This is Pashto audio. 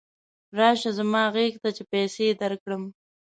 راشه زما غېږې ته چې پیسې درکړم.